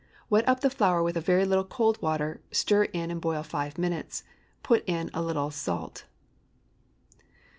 Wet up the flour with a very little cold water, stir in and boil five minutes. Put in a little salt.